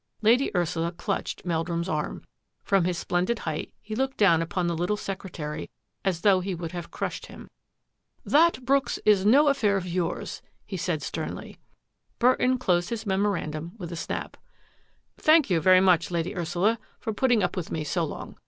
Lady Ursula clutched Meldrum's arm. From his splendid height he looked down upon the little secretary as though he would have crushed him. " That, Brooks, is no affair of yours," he said sternly. Burton closed his memorandum with a snap. " Thank you very much, Lady Ursula, for putting up with me so long.